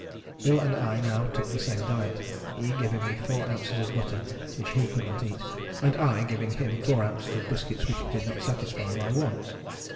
Bill and I now took the same diet, he giving me 4 oz. of butter which he could not eat, and I giving him 4 oz. of biscuit which did not satisfy my wants.